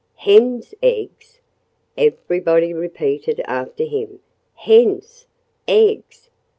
"Hens' eggs!" everybody repeated after him. "Hens' eggs!